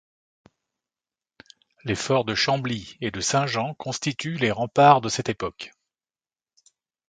Les forts de Chambly et de Saint-Jean constituent les remparts de cette époque.